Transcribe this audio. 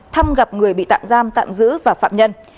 thăm gặp người bị tạm giam tạm giữ và phạm nhân